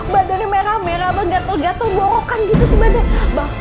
badannya merah merah gatuh gatuh borokan gitu sih badan